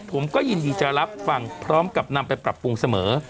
ผมก็ยินดีจะรับฟังพร้อมกับนำไปปรับปรุงเสมอ